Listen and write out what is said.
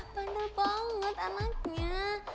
bandar banget anaknya